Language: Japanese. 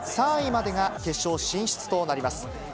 ３位までが決勝進出となります。